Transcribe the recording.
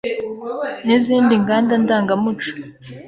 n’izindi nganda ndangamuco.